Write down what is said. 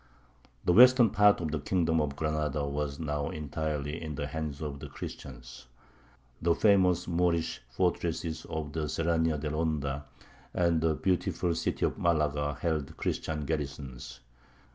The western part of the kingdom of Granada was now entirely in the hands of the Christians. The famous Moorish fortresses of the Serrania de Ronda and the beautiful city of Malaga held Christian garrisons.